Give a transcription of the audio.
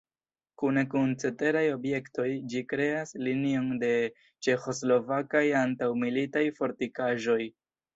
Kune kun ceteraj objektoj ĝi kreas linion de ĉeĥoslovakaj antaŭmilitaj fortikaĵoj.